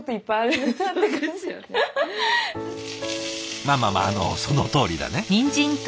まあまあまああのそのとおりだね。